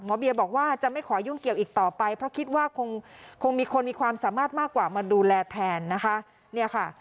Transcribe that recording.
เบียบอกว่าจะไม่ขอยุ่งเกี่ยวอีกต่อไปเพราะคิดว่าคงมีคนมีความสามารถมากกว่ามาดูแลแทนนะคะ